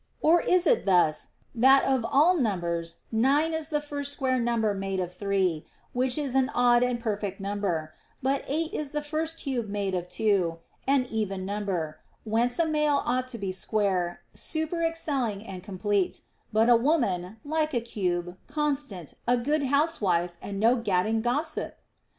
Or is it thus, that of all numbers nine is the first square number made of three, which is an odd and perfect number, but eight is the first cube made of two, an even number ; whence a male ought to be square, superexcelling, and complete ; but a woman, like a cube, constant, a good housewife, and no gadding gossip